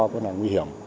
có năng nguy hiểm